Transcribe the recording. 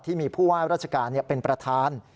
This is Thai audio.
ที่มีผู้ว่าราชการเป็นประธาน